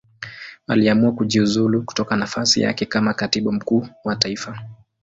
Aliamua kujiuzulu kutoka nafasi yake kama Katibu Mkuu wa Taifa.